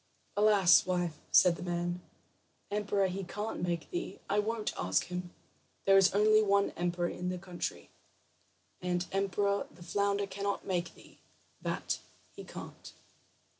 "Alas, wife," said the man, "emperor he can't make thee, and I won't ask him. There is only one emperor in the country; and emperor the flounder cannot make thee, that he can't."